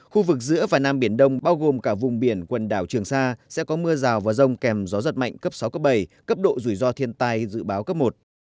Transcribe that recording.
khu vực giữa và nam biển đông bao gồm cả vùng biển quần đảo trường sa sẽ có mưa rào và rông kèm gió giật mạnh cấp sáu cấp bảy cấp độ rủi ro thiên tai dự báo cấp một